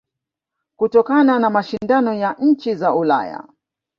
Kutokana na mashindano ya nchi za Ulaya